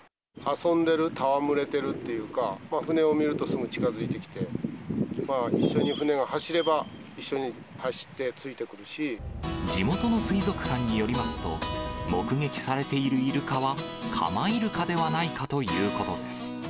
遊んでる、戯れてるというか、船を見ると、すぐ近づいてきて、一緒に船が走地元の水族館によりますと、目撃されているイルカは、カマイルカではないかということです。